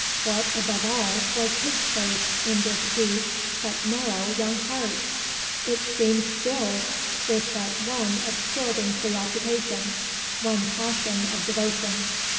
What, above all, was his place in this deep but narrow young heart? It seemed filled with but one absorbing preoccupation, one passion of devotion.